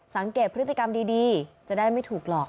สังเกตพฤติกรรมดีจะได้ไม่ถูกหลอก